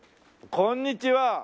こんにちは。